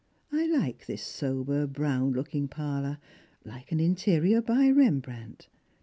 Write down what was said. I like this sober brown looking parlour, like an interior by Rembrandt.